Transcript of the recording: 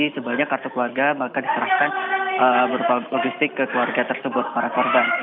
sebanyak kartu keluarga maka diserahkan berupa logistik ke keluarga tersebut para korban